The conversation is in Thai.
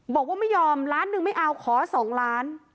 บอกว่าไม่ยอมล้านหนึ่งไม่เอาขอ๒ล้าน